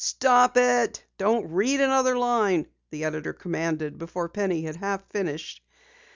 "Stop it don't read another line!" the editor commanded before Penny had half finished.